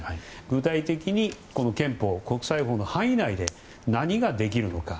具体的に憲法や国際法の範囲内で何ができるのか。